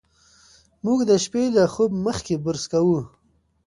موږ د شپې له خوب مخکې برس کوو.